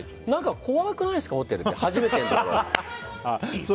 怖くないですか、ホテル初めてのところは。